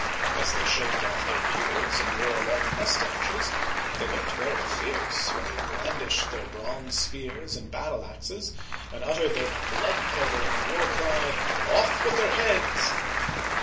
As they shaved off their beards and wore long mustaches, they looked very fierce when they brandished their bronze spears and battle axes, and uttered their blood curdling war cry, " Off with their heads